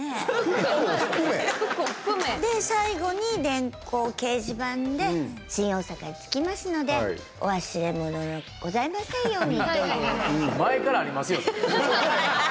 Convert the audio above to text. で、最後に電光掲示板で新大阪に着きますので「お忘れ物ございませんように」という。